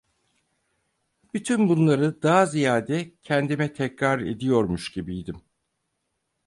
Bütün bunları daha ziyade kendime tekrar ediyormuş gibiydim.